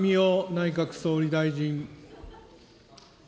内閣総理大臣。